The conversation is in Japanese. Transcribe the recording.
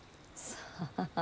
さあ？